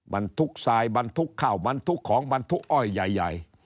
มันทุกข์ซ้ายมันทุกข์เข้ามันทุกของมันทุกข์อ้อยใหญ่